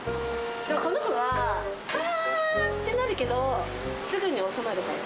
この子は、かーってなるけどすぐに収まるから。